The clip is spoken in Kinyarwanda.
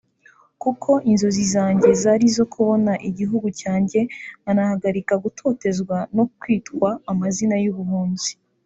kuko inzozi zanjye zari izo kubona igihugu cyanjye nkanahagarika gutotezwa no kwitwa amazina y’ubuhunzi